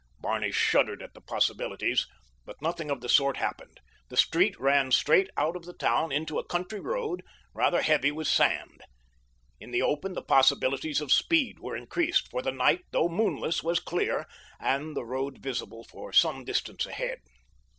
Barney shuddered at the possibilities; but nothing of the sort happened. The street ran straight out of the town into a country road, rather heavy with sand. In the open the possibilities of speed were increased, for the night, though moonless, was clear, and the road visible for some distance ahead.